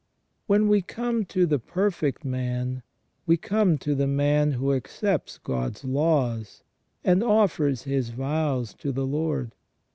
When we come to the perfect man, we come to the man who accepts God's laws, and offers his vows to the Lord.